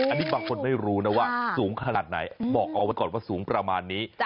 อันนี้บางคนไม่รู้นะว่าสูงขนาดไหนบอกเอาไว้ก่อนว่าสูงประมาณนี้